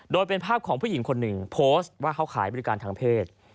โดยเป็นภาพของผู้หญิงคนหนึ่งโพสต์ว่าเขาขายบริการทางเพศ